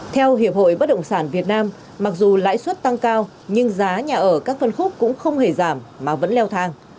theo hiệp hội bất động sản việt nam mặc dù lãi suất tăng cao nhưng giá nhà ở các phân khúc cũng không hề giảm mà vẫn leo thang